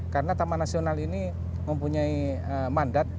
karena taman nasional ini mempunyai mandat